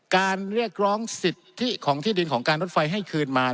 เรียกร้องสิทธิของที่ดินของการรถไฟให้คืนมา